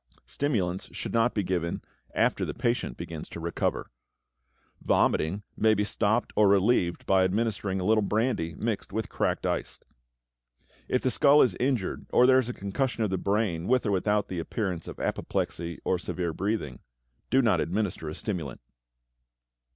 Stimulants should not be given after the patient begins to recover. Vomiting may be stopped or relieved by administering a little brandy mixed with cracked ice. If the skull is injured or there is concussion of the brain, with or without the appearance of apoplexy or severe breathing, do not administer a stimulant.